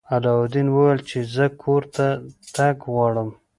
علاوالدین وویل چې زه کور ته تګ غواړم.